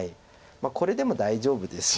これでも大丈夫です。